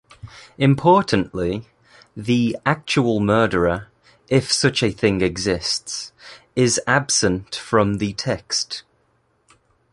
Importantly, the "actual murder," if such a thing exists, is absent from the text.